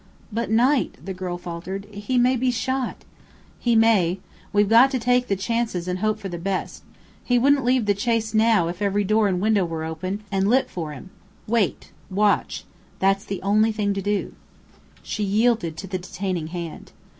"But Knight " the girl faltered. "He may be shot " "He may. We've got to take the chances and hope for the best. He wouldn't leave the chase now if every door and window were open and lit for him. Wait. Watch. That's the only thing to do." She yielded to the detaining hand.